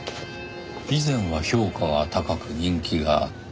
以前は評価が高く人気があった。